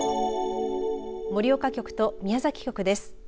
盛岡局と宮崎局です。